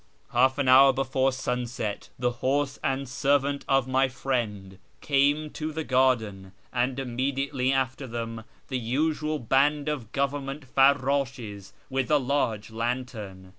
Half an hour before sunset the horse and servant of my friend came to the garden, and immediately after them the usual band of Government farrashcs with a large lantern.